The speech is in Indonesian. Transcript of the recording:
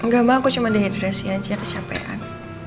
enggak mama aku cuma dehidrasi aja kecapean